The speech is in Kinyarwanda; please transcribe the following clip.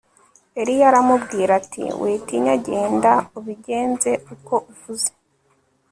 Eliya aramubwira ati Witinya genda ubigenze uko uvuze